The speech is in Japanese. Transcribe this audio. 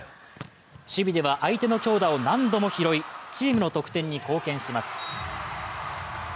守備では、相手の強打を何度も拾いチームの得点に貢献します。